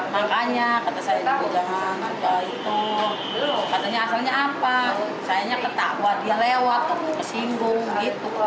kata anaknya kata saya juga jangan suka itu